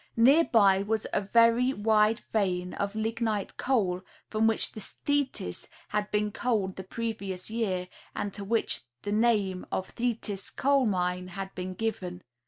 Near by was a very wide vein of lignite coal, from which the Thetis had been coaled the previ ous year and to which the name of "Thetis coal mine " had been given.